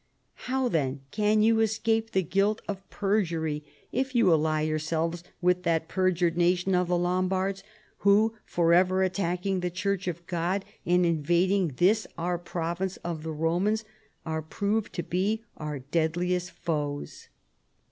How, then, can you escape the guilt of perjury if you ally yourselves with that perjured nation of the Lombards, who, forever attacking the Church of God and invading this our province of the Romans, are proved to be our deadliest foes